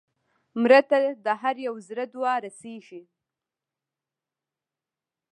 مړه ته د هر یو زړه دعا رسېږي